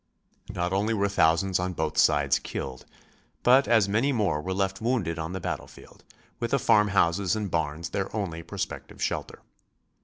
Not only were thousands on both sides killed, but as many more were left wounded on the battlefield, with the farmhouses and barns their only prospective shelter.